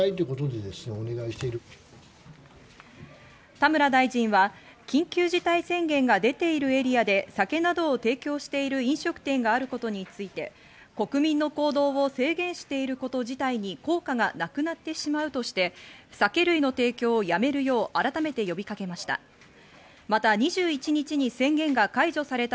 田村大臣は、緊急事態宣言が出ているエリアで酒などを提供している飲食店があることについて、国民の行動を制限していること自体に効果がなくなってしまうとして、酒類の提供をやめるよう改めて呼びかけました。